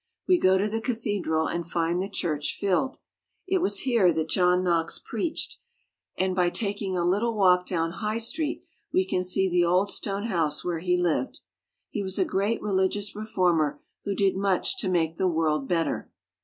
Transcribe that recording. We go to the cathedral and find the church filled. It was here that John Knox preached, and We meet fishwives." EDINBURGH. 45 by taking a little walk down High Street we can see the old stone house where he lived. He was a great religious reformer who did much to make the world better.